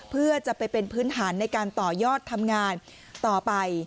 เพื่อจะไปเป็นพื้นฐานในการต่อยอดทำงานต่อไป